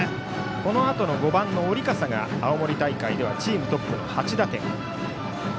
このあとの５番、織笠が青森大会ではチームトップの８打点。